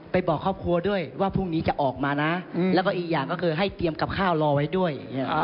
บอกครอบครัวด้วยว่าพรุ่งนี้จะออกมานะแล้วก็อีกอย่างก็คือให้เตรียมกับข้าวรอไว้ด้วย